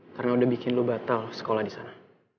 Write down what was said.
karena udah bikin lo batal sekolah disana